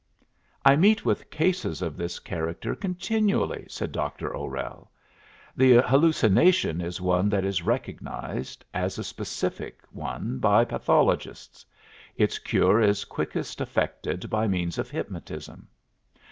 "I meet with cases of this character continually," said Dr. O'Rell. "The hallucination is one that is recognized as a specific one by pathologists; its cure is quickest effected by means of hypnotism.